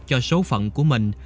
cho số phận của mình